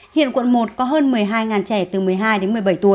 hiện quận một có hơn một mươi hai trẻ từ một mươi hai đến một mươi bảy tuổi